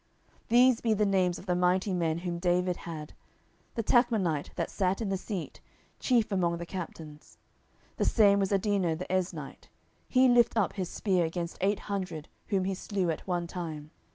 10:023:008 These be the names of the mighty men whom David had: The Tachmonite that sat in the seat, chief among the captains; the same was Adino the Eznite: he lift up his spear against eight hundred, whom he slew at one time.